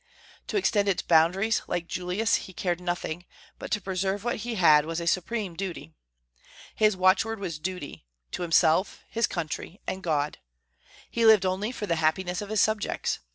To extend its boundaries, like Julius, he cared nothing; but to preserve what he had was a supreme duty. His watchword was duty, to himself, his country, and God. He lived only for the happiness of his subjects.